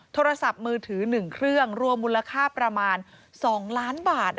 โทรศัพท์มือถือ๑เครื่องรวมมูลค่าประมาณ๒ล้านบาท